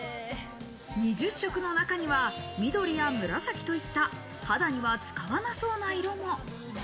２０色の中には緑や紫といった肌には使わなそうな色も。